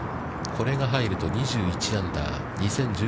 これが入ると２１アンダー。